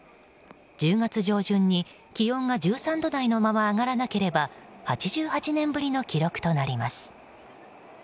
１０月上旬に気温が１３度台のまま上がらなければ８８年ぶりの記録となります。